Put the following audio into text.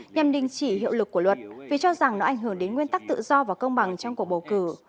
nhằm đình chỉ hiệu lực của luật vì cho rằng nó ảnh hưởng đến nguyên tắc tự do và công bằng trong cuộc bầu cử